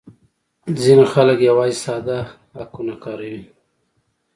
ځینې خلک یوازې ساده هکونه کاروي